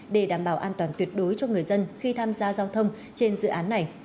để đảm bảo an toàn tuyệt đối cho người dân khi tham gia giao thông trên dự án này